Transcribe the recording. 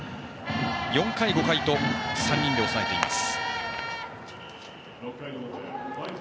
４回、５回と３人で抑えています。